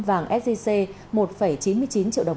vàng sgc một chín mươi chín triệu đồng